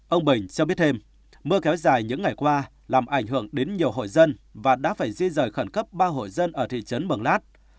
ông bình cho biết thêm mưa kéo dài những ngày qua làm ảnh hưởng đến nhiều hội dân và đã phải di rời khẩn cấp ba hội dân ở thị trấn mường lát